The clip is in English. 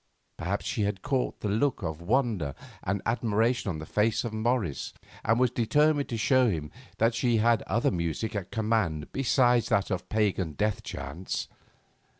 Perhaps she had caught the look of wonder and admiration on the face of Morris, and was determined to show him that she had other music at command besides that of pagan death chants.